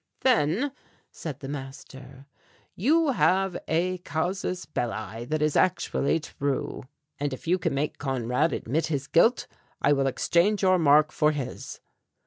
"Then," said the master, "you have a casus belli that is actually true, and if you can make Conrad admit his guilt I will exchange your mark for his."